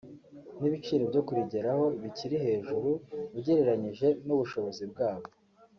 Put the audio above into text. n’ibiciro byo kurigeraho bikiri hejuru ugereranyije n’ubushobozi bwabo